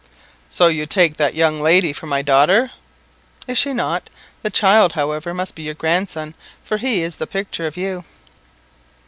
"So you take that young lady for my daughter!" "Is she not? The child, however, must be your grandson, for he is the picture of you."